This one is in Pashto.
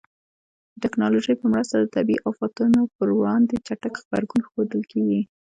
د ټکنالوژۍ په مرسته د طبیعي آفاتونو پر وړاندې چټک غبرګون ښودل کېږي.